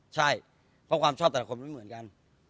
ใช่เพราะความชอบแต่คนหมดเหมือนกัน